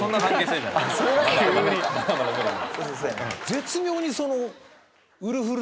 絶妙にその。